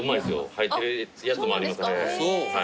入ってるやつもあります。